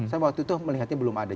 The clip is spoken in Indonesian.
saya waktu itu melihatnya belum ada